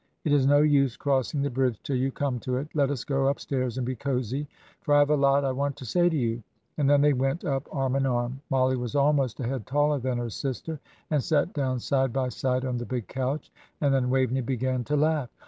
It is no use crossing the bridge till you come to it; let us go upstairs and be cosy, for I have a lot I want to say to you;" and then they went up arm in arm Mollie was almost a head taller than her sister and sat down side by side on the big couch; and then Waveney began to laugh.